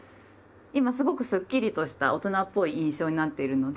今すごくスッキリとした大人っぽい印象になっているので。